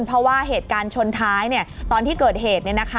เพราะว่าเหตุการณ์ชนท้ายตอนที่เกิดเหตุ